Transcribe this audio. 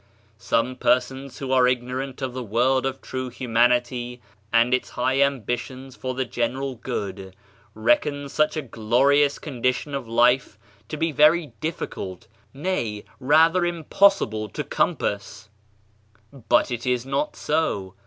Some persons who are ignorant of the world of true humanity and its high ambitions for the general good, reckon such a glorious condition of life to be very difficult, nay, rather impossible to compass. But it is not so.